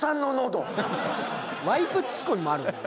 ワイプツッコミもあるんだ。